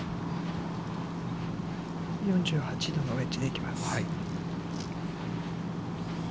４８度のウェッジでいきます。